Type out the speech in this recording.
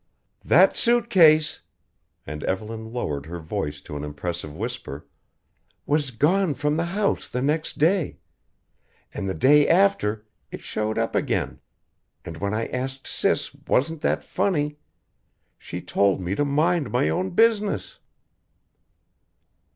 "That suit case " and Evelyn lowered her voice to an impressive whisper "was gone from the house the next day and the day after it showed up again and when I asked Sis wasn't that funny she told me to mind my own business!"